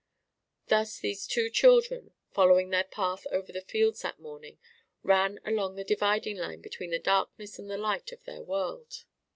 Thus these two children, following their path over the fields that morning, ran along the dividing line between the darkness and the light of their world.